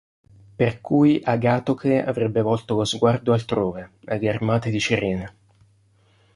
Per cui Agatocle avrebbe volto lo sguardo altrove: alle armate di Cirene.